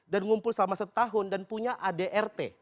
dan ngumpul selama satu tahun dan punya adrt